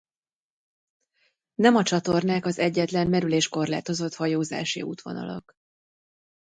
Nem a csatornák az egyetlen merülés-korlátozott hajózási útvonalakat.